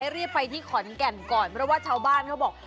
รีบไปที่ขอนแก่นก่อนเพราะว่าชาวบ้านเขาบอก